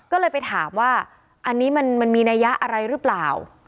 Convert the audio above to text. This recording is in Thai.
ก็เลยไปถามว่าอันนี้มันมีนัยยะอะไรหรือเปล่า